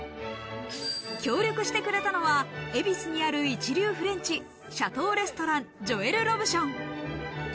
協力してくれたのは、恵比寿にある一流フレンチ、シャトーレストランジョエル・ロブション。